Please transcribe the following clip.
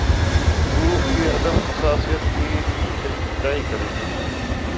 حروف کی عدم حساسیت کی چھٹائی کریں